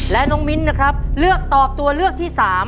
และน้องมิ้นนะครับเลือกตอบตัวเลือกที่๓